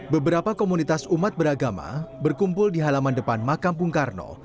beberapa komunitas umat beragama berkumpul di halaman depan makam bung karno